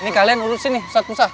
ini kalian urusin nih ustadz musa